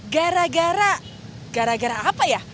gara gara gara gara apa ya